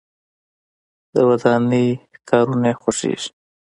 د ودانۍ کارونه یې خوښیږي.